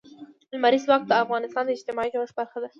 لمریز ځواک د افغانستان د اجتماعي جوړښت برخه ده.